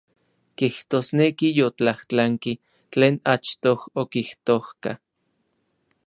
Kijtosneki yotlajtlanki tlen achtoj okijtojka.